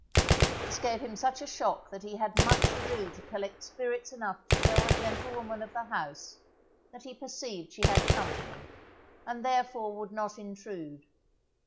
This gave him such a shock that he had much ado to collect spirits enough to tell the gentlewoman of the house that he perceived she had company, and therefore would not intrude.